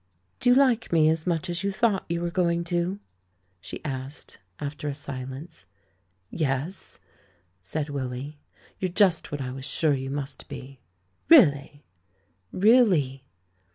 "Do you like me as much as you thought you were going to?" she asked, after a silence. "Yes," said Willy; "you're just what I was sure you must be." "Really?" "Really!"